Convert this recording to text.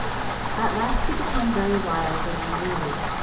At last he became very wild and unruly.